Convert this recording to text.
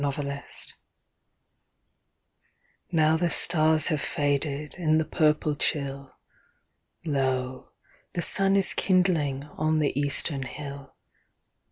At Sunrise Now the stars have faded In the purple chill, Lo, the sun is kindling On the eastern hill.